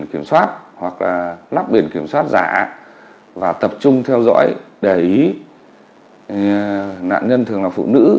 kiểm soát hoặc lắp biển kiểm soát giả và tập trung theo dõi để ý nạn nhân thường là phụ nữ